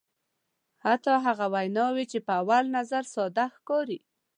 حتی هغه ویناوی چې په اول نظر ساده ښکاري.